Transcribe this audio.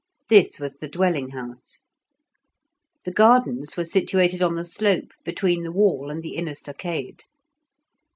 This was the dwelling house. The gardens were situated on the slope between the wall and the inner stockade.